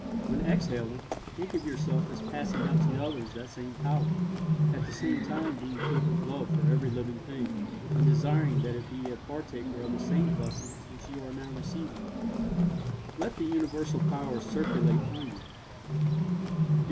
When exhaling think of yourself as passing out to others that same power, at the same time being filled with love for every living thing, and desiring that it be a partaker of the same blessings which you are now receiving. Let the Universal Power circulate through you.